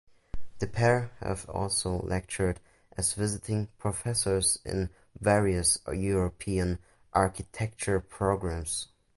The pair have also lectured as visiting professors in various European architecture programs.